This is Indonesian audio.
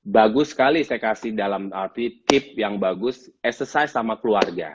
bagus sekali saya kasih dalam arti tip yang bagus exercise sama keluarga